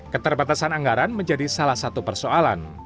keterbatasan anggaran menjadi salah satu persoalan